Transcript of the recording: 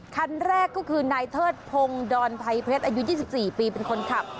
คันแรกก็คือนายเทิดพงศ์ดอนภัยเพชรอายุ๒๔ปีเป็นคนขับ